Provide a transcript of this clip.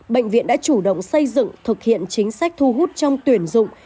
bệnh viện đã chủ động xây dựng thực hiện chính sách thu hút trong tuyển dụng